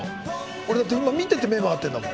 オレだって今見てて目回ってんだもん。